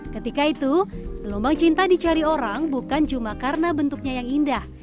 ketika itu gelombang cinta dicari orang bukan cuma karena bentuknya yang indah